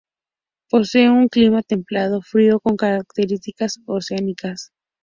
Posee un clima templado frío con características oceánicas.